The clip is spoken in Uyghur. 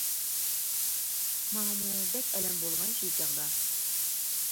ماڭىمۇ بەك ئەلەم بولغان شۇ چاغدا.